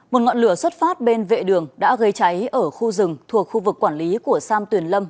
một ngọn lửa xuất phát bên vệ đường đã gây cháy ở khu rừng thuộc khu vực quản lý của sam tuyền lâm